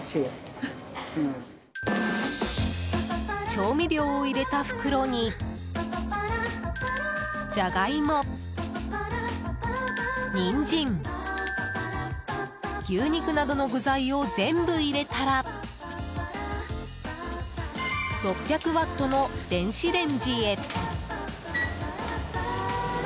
調味料を入れた袋にジャガイモ、ニンジン牛肉などの具材を全部入れたら６００ワットの電子レンジへ。